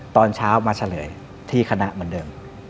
ตอนเช้ามาเฉลยที่คณะเหมือนเดิม